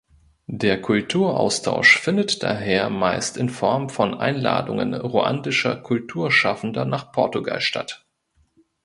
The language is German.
Der Kulturaustausch findet daher meist in Form von Einladungen ruandischer Kulturschaffender nach Portugal statt.